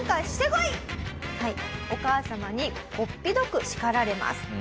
お母様にこっぴどく叱られます。